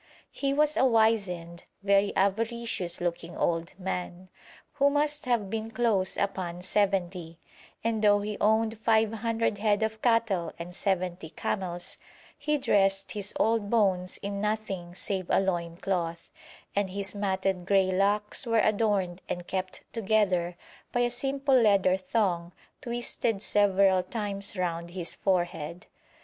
He was a wizened, very avaricious looking old man, who must have been close upon seventy, and though he owned 500 head of cattle and 70 camels, he dressed his old bones in nothing save a loin cloth, and his matted grey locks were adorned and kept together by a simple leather thong twisted several times round his forehead.